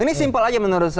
ini simpel aja menurut saya